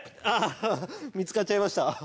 あ見つかっちゃいました？